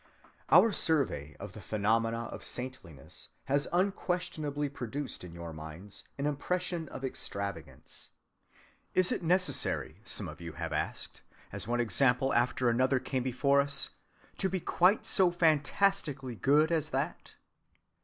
‐‐‐‐‐‐‐‐‐‐‐‐‐‐‐‐‐‐‐‐‐‐‐‐‐‐‐‐‐‐‐‐‐‐‐‐‐ Our survey of the phenomena of saintliness has unquestionably produced in your minds an impression of extravagance. Is it necessary, some of you have asked, as one example after another came before us, to be quite so fantastically good as that?